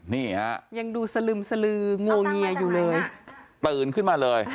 นี่ฮะยังดูสลึมสลืองวงเงียอยู่เลยตื่นขึ้นมาเลย